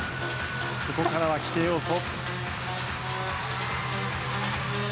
ここからは規定要素。